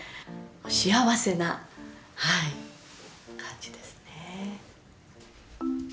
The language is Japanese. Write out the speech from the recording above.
幸せな感じですね。